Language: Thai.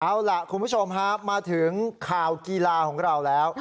เอาล่ะคุณผู้ชมฮะมาถึงข่าวกีฬาของเราแล้ว